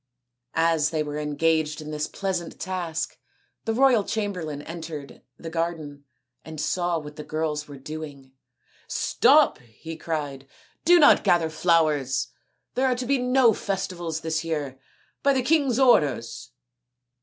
As they were engaged in this pleasant task the royal chamberlain entered the garden and saw what the girls were doing. " Stop !" he cried, " do not gather flowers. There are to be no festivals this year, by the king's orders."